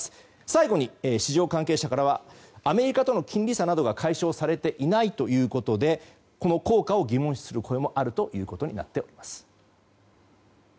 最後に市場関係者からはアメリカとの金利差などが解消されていないということでこの効果を疑問視する声もあるということになっています。